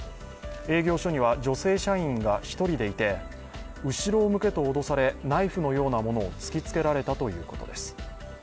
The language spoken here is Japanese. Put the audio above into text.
営業所には女性社員が１人でいて、後ろを向けと脅されナイフのようなものを突きつけられたということです。